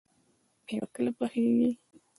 مېوه کله پخیږي؟